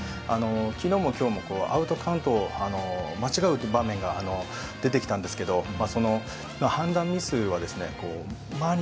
昨日も今日もアウトカウントを間違うという場面が出てきたんですけど判断ミスは周り